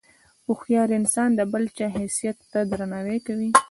هوښیار انسان د بل چا حیثیت ته درناوی کوي.